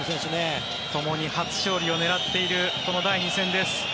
ともに初勝利を狙っているこの第２戦です。